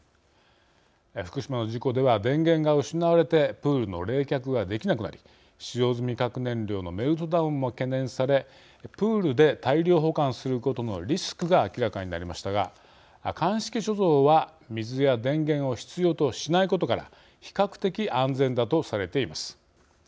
福島の事故では、電源が失われてプールの冷却ができなくなり使用済み核燃料のメルトダウンも懸念されプールで大量保管することのリスクが明らかになりましたが乾式貯蔵は水や電源を必要としないことから比較的、安全だとされています。